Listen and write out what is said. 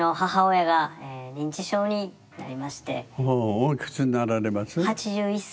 おいくつになられます？